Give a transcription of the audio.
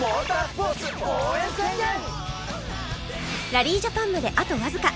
ラリージャパンまであとわずか